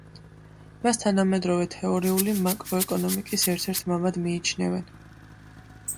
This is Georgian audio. მას თანამედროვე თეორიული მაკროეკონომიკის ერთ-ერთ მამად მიიჩნევენ.